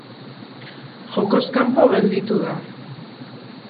Jokoz kanpo gelditu da.